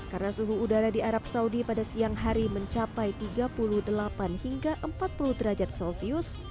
karena suhu udara di arab saudi pada siang hari mencapai tiga puluh delapan empat puluh derajat celcius